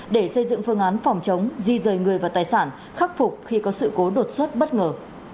để xây dựng phương án phòng chống di rời người và tài sản khắc phục khi có sự cố đột xuất bất ngờ